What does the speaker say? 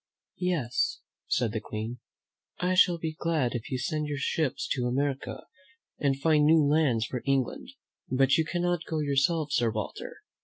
"Yes," said the Queen, "I shall be glad if you send your ships to America and find new lands for England ; but you cannot go yourself, Sir Walter.